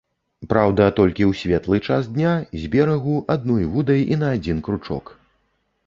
Праўда, толькі ў светлы час дня, з берагу, адной вудай і на адзін кручок.